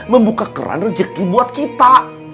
membuka keran rezeki buat kita